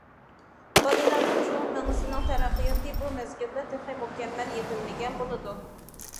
بالىلارنىڭ چوڭ مېڭىسىنىڭ تەرەققىياتى بۇ مەزگىلدە تېخى مۇكەممەل يېتىلمىگەن بولىدۇ.